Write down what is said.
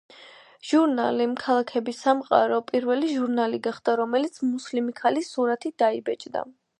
ჟურნალი „ქალების სამყარო“, პირველი ჟურნალი გახდა, რომელიც მუსლიმი ქალის სურათი დაბეჭდა.